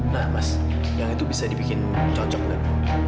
nah mas yang itu bisa dibikin cocok deh